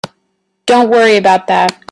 Don't worry about that.